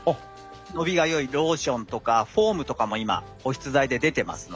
伸びがよいローションとかフォームとかも今保湿剤で出てますので。